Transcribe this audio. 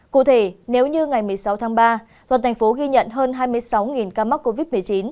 cụ thể nếu như ngày một mươi sáu tháng ba toàn thành phố ghi nhận hơn hai mươi sáu ca mắc covid một mươi chín